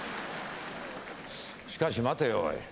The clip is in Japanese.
しかし待てよおい。